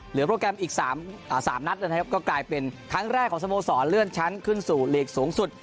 โปรแกรมอีก๓นัดนะครับก็กลายเป็นครั้งแรกของสโมสรเลื่อนชั้นขึ้นสู่ลีกสูงสุด